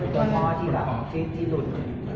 ตอนนั้นมันเป็นตัวที่แบบที่หลุด